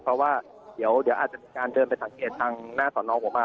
เพราะว่าเดี๋ยวอาจจะมีการเดินไปสังเกตทางหน้าสอนองผมมา